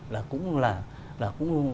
là cũng là